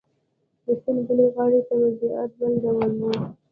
د سیند بلې غاړې ته وضعیت بل ډول و.